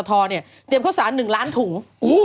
เตรียมข้าวสาร๑ล้านถุง